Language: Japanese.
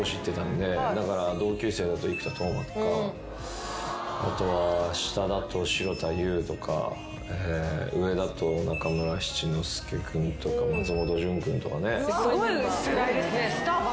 だから同級生だと生田斗真とかあとは下だと城田優とか上だと中村七之助君とか松本潤君とかね。すごい世代ですねスターばっかり。